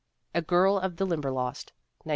A Girl of the Limberlost, 1909.